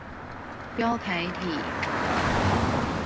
標楷體